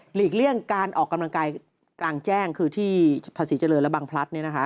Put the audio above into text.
เลี่ยงการออกกำลังกายกลางแจ้งคือที่ภาษีเจริญและบางพลัด